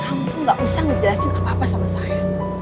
kamu gak usah ngejelasin apa apa sama saya